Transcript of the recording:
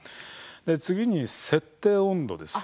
次に設定温度です。